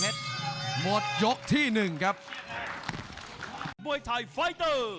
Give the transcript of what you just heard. ยังไงยังไง